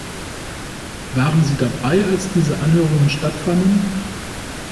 Waren sie dabei, als diese Anhörungen stattfanden?